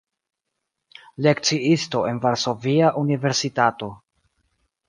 Lekciisto en Varsovia Universitato.